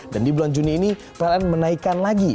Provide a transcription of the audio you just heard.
dan di bulan juni ini pln menaikkan lagi